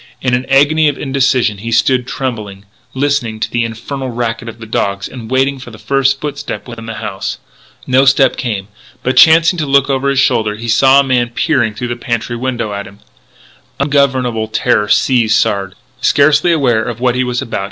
In an agony of indecision he stood trembling, listening to the infernal racket of the dogs, and waiting for the first footstep within the house. No step came. But, chancing to look over his shoulder, he saw a man peering through the pantry window at him. Ungovernable terror seized Sard.